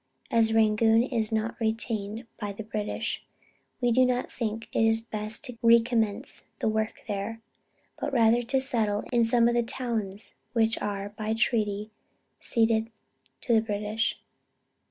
As Rangoon is not retained by the British, we do not think it best to recommence the work there, but rather to settle in some of the towns which are by treaty ceded to the British....